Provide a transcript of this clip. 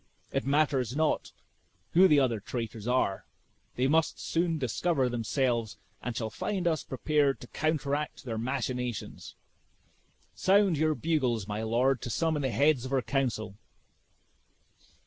It matters not who the other traitors are; they must soon discover themselves, and shall find us prepared to counteract their machinations. Sound your bugles, my lord, to summon the heads of our council."